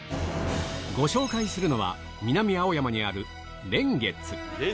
ご紹介するのは、南青山にある蓮月。